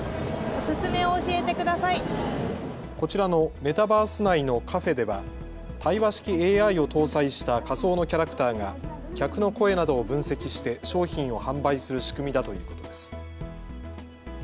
こちらのメタバース内のカフェでは対話式ＡＩを搭載した仮想のキャラクターが客の声などを分析して商品を販売する仕組みだということです。